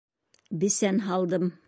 Бесән һалдым.